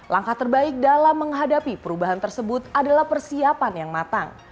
langkah terbaik dalam menghadapi perubahan tersebut adalah persiapan yang matang